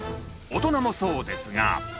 大人もそうですが。